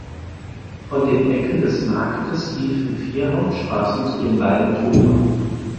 Von den Ecken des Marktes liefen vier Hauptstraßen zu den beiden Toren.